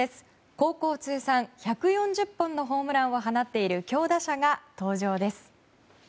高校通算１４０本のホームランを放っている強打者が登場です。